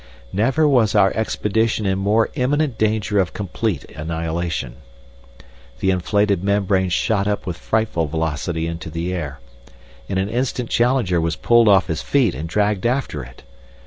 Never was our expedition in more imminent danger of complete annihilation. The inflated membrane shot up with frightful velocity into the air. In an instant Challenger was pulled off his feet and dragged after it.